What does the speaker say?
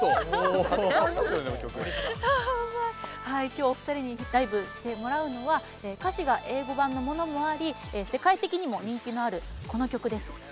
はいきょうお二人にライブしてもらうのは歌詞が英語版のものもあり世界的にも人気のあるこの曲です。